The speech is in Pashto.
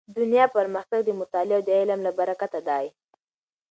دنیا پرمختګ د مطالعې او علم له برکته دی.